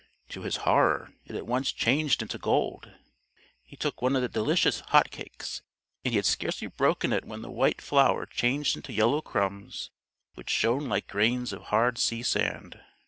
To his horror it at once changed into gold. He took one of the delicious hot cakes, and he had scarcely broken it when the white flour changed into yellow crumbs which shone like grains of hard sea sand.